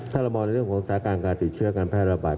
ถ้าเรามองในเรื่องของสถานการณ์การติดเชื้อการแพร่ระบาด